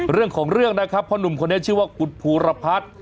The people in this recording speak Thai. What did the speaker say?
เรื่องของเรื่องนะครับเพราะหนุ่มคนนี้ชื่อว่าคุณภูรพัฒน์